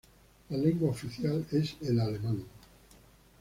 La lengua oficial es el alemán.